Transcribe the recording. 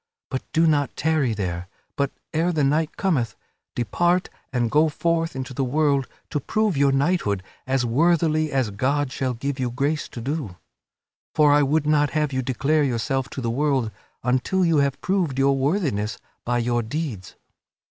But do not tarry there, but, ere the night cometh, depart and go forth into the world to prove your knighthood as worthily as God shall give you grace to do. For I would not have you declare yourself to the world until you have proved your worthiness by your deeds.